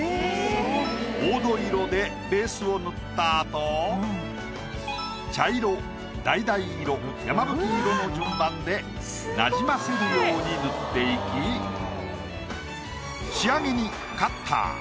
黄土色でベースを塗ったあと茶色だいだい色山吹色の順番で馴染ませるように塗っていき仕上げにカッター。